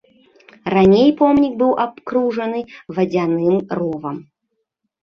Раней помнік быў абкружаны вадзяным ровам.